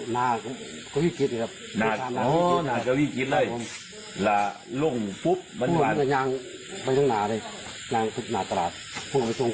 ล่ะล่มปุ๊บมันก็ยังไปตรงหน้าเลยอย่างทุกหน้าตราบพลง